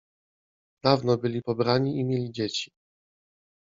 Dawno byli pobrani i mieli dzieci.